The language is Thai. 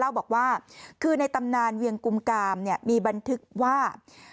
เล่าบอกว่าคือในตำนานเวียงกุมกามเนี่ยมีบันทึกว่า